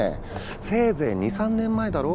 せいぜい２３年前だろ？